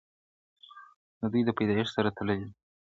د دوی د پیدایښت سره تړلې ده -